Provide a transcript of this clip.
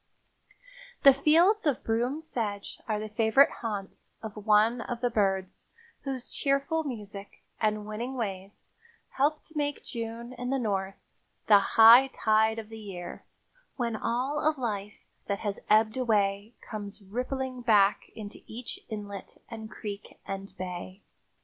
The fields of broom sedge are the favorite haunts of one of the birds whose cheerful music and winning ways help to make June in the North "the high tide of the year, when all of life that has ebbed away comes rippling back into each inlet and creek and bay."